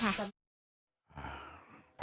พระยาผู้ตายก็ไปผ่าตัดกลองเสียงบ้างนะคะ